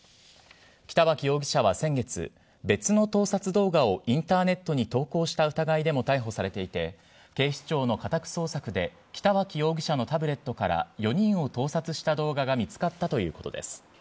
北脇容疑者は先月、別の盗撮動画をインターネットに投稿した疑いでも逮捕されていて、警視庁の家宅捜索で、北脇容疑者のタブレットから４人を盗撮した動画が見つかったということです。